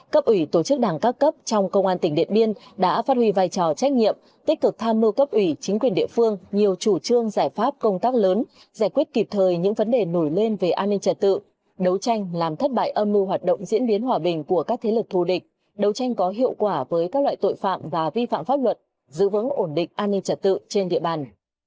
cấp ủy tổ chức đảng các cấp trong công an tỉnh điện biên đã phát huy vai trò trách nhiệm tích cực tham mưu cấp ủy chính quyền địa phương nhiều chủ trương giải pháp công tác lớn giải quyết kịp thời những vấn đề nổi lên về an ninh trật tự đấu tranh làm thất bại âm mưu hoạt động diễn biến hòa bình của các thế lực thù địch đấu tranh có hiệu quả với các loại tội phạm và vi phạm pháp luật giữ vững ổn định an ninh trật tự trên địa bàn